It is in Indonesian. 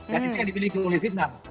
jadi kita dibelikan oleh vietnam